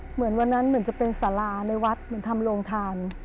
เหมือนวันนั้นเหมือนจะเป็นสาราในวัดเหมือนทำโรงทาน